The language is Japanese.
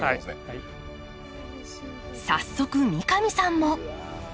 早速三上さんも。